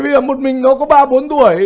bây giờ một mình nó có ba bốn tuổi